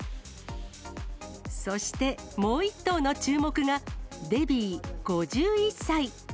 そしてもう１頭の注目が、デビィ５１歳。